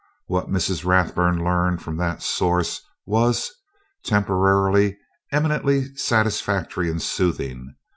What Mrs. Rathburn learned from that source was, temporarily, eminently satisfactory and soothing.